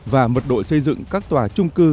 và mật độ xây dựng các tòa trung cư